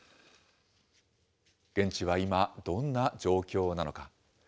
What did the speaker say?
現地は今、どんな状況なのか。